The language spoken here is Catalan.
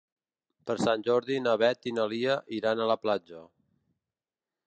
Per Sant Jordi na Beth i na Lia iran a la platja.